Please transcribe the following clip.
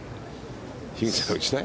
樋口さん、打ちたい？